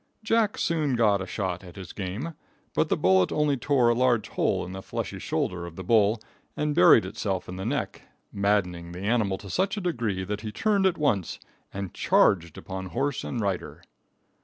Jack soon got a shot at his game, but the bullet only tore a large hole in the fleshy shoulder of the bull and buried itself in the neck, maddening the animal to such a degree that he turned at once and charged upon horse and rider.